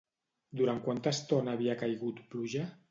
Durant quanta estona havia caigut pluja?